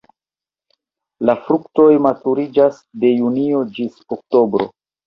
La fruktoj maturiĝas de junio ĝis oktobro.